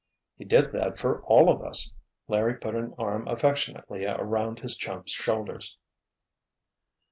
"He did that for all of us." Larry put an arm affectionately around his chum's shoulders.